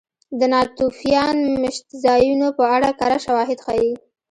د ناتوفیان مېشتځایونو په اړه کره شواهد ښيي.